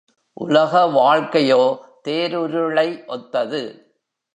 உலக வாழ்க்கையோ தேருருளை ஒத்தது.